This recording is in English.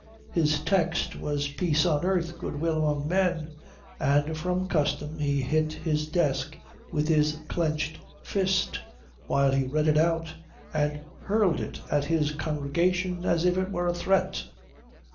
His text was Peace on earth, goodwill among men, and from custom he hit his desk with his clenched fist while he read it out and hurled it at his congregation as if it were a threat.